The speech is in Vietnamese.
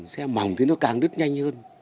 xe mỏng thì nó càng đứt nhanh hơn